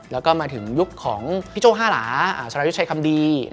แล้วก็มาถึงยุคของพี่โจ้ห้าหลาสรายุทธ์ชัยคำดี